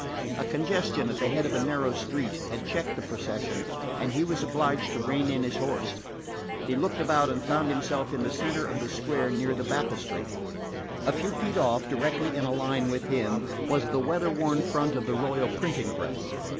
A congestion at the head of a narrow street had checked the procession, and he was obliged to rein in his horse. He looked about and found himself in the centre of the square near the Baptistery. A few feet off, directly in a line with him, was the weather worn front of the Royal Printing Press.